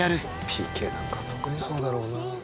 ＰＫなんか特にそうだろうな。